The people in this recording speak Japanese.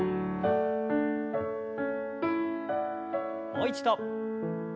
もう一度。